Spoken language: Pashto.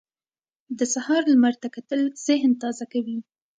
د سهار لمر ته کتل ذهن تازه کوي.